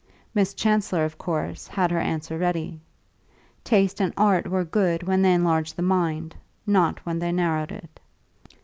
Miss Chancellor, of course, had her answer ready. Taste and art were good when they enlarged the mind, not when they narrowed it.